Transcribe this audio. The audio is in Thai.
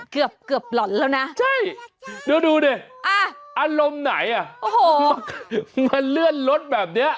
เกือบหล่อนแล้วนะดูดิอารมณ์ไหนมันเลื่อนรถแบบนี้